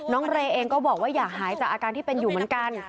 เรย์เองก็บอกว่าอยากหายจากอาการที่เป็นอยู่เหมือนกัน